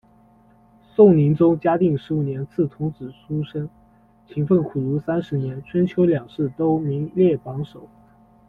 宋宁宗嘉定十五年赐童子出身，勤奋苦读三十年，春秋两试都名列榜首。